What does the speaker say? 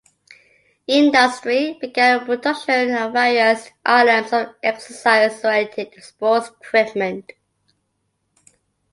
Industry began the production of various items of exercise-oriented sports equipment.